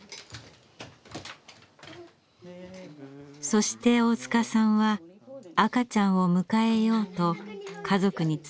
そして大塚さんは赤ちゃんを迎えようと家族に伝えました。